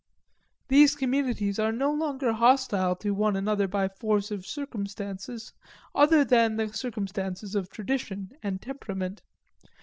These communities are no longer hostile to one another by force of circumstances, other than the circumstances of tradition and temperament.